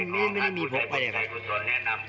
ไม่ได้มีพบไปเลยครับ